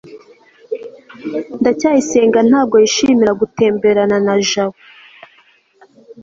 ndacyayisenga ntabwo yishimira gutemberana na jabo